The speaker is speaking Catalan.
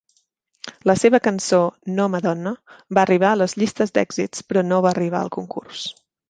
La seva cançó "No Madonna" va arribar a les llistes d'èxits però no va arribar al concurs.